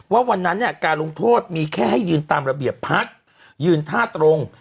วันนั้นเนี่ยการลงโทษมีแค่ให้ยืนตามระเบียบพักยืนท่าตรง